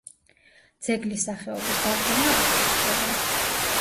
ძეგლის სახეობის დადგენა არ ხერხდება.